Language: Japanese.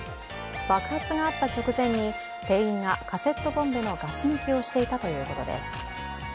爆発があった直前に店員がカセットボンベのガス抜きをしていたということです。